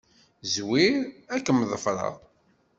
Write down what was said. Zwir. Ad kem-ḍefreɣ.